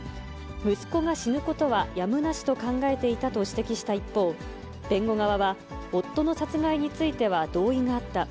息子が死ぬことはやむなしと考えていたと指摘した一方、弁護側は夫の殺害については同意があった。